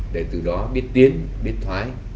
để từ đó biết tiếng biết thoái